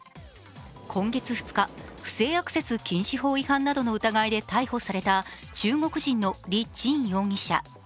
今月２日、不正アクセス禁止法違反などの疑いで逮捕された中国人の李チン容疑者。